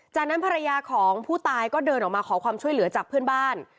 จากนั้นภรรยาของผู้ตายก็เดินออกมาขอความช่วยเหลือจากเพื่อนบ้าน